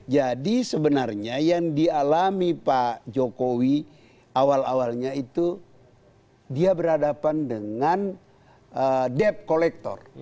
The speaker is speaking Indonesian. jadi sebenarnya yang dialami pak jokowi awal awalnya itu dia berhadapan dengan debt collector